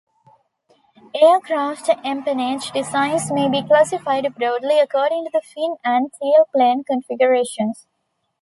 Aircraft empennage designs may be classified broadly according to the fin and tailplane configurations.